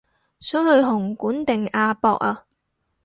想去紅館定亞博啊